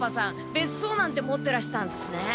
べっそうなんて持ってらしたんすね。